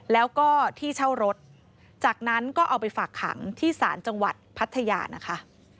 แล้วก็ที่เช่ารถจากนั้นก็เอาไปฝากขังที่ศาลจังหวัดพัทยานะคะ